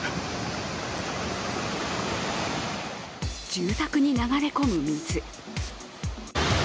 住宅に流れ込む水。